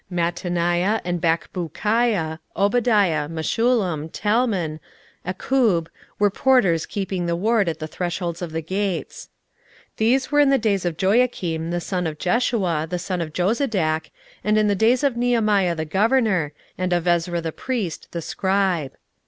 16:012:025 Mattaniah, and Bakbukiah, Obadiah, Meshullam, Talmon, Akkub, were porters keeping the ward at the thresholds of the gates. 16:012:026 These were in the days of Joiakim the son of Jeshua, the son of Jozadak, and in the days of Nehemiah the governor, and of Ezra the priest, the scribe.